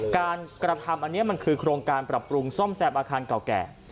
การกระทำอันนี้มันคือโครงการปรับปรุงซ่อมแซมอาคารเก่าแก่